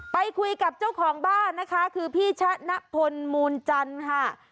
ไปคุยกับเจ้าของบ้านนะคะคือพี่ชะนพลมูลจันทร์ค่ะ